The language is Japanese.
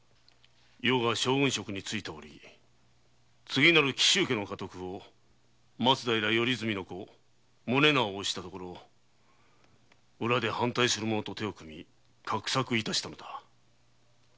余が将軍職に就いたおり次なる紀州家の家督に松平頼純の子・宗直を推したところ裏で反対する者と手を組み画策致したのだ。